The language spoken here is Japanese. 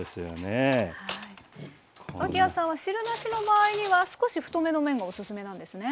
脇屋さんは汁なしの場合には少し太めの麺がおすすめなんですね。